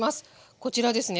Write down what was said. こちらですね。